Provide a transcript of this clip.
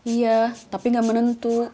iya tapi nggak menentu